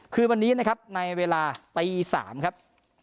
คืนวันนี้นะครับในเวลาตี๓ครับ